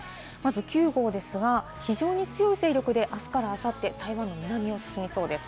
９号ですが、非常に強い勢力で、あすからあさって、台湾の南を進みそうです。